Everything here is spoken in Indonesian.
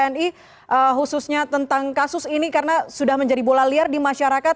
kami berharap bahwa komitmen dari tni sudah menjadi bola liar di masyarakat